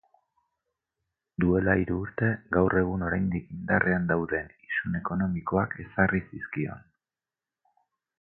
Duela hiru urte, gaur egun oraindik indarrean dauden isun ekonomikoak ezarri zizkion.